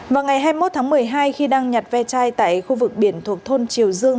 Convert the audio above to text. vào ngày hai mươi một tháng một mươi hai khi đang nhặt ve chai tại khu vực biển thuộc thôn triều dương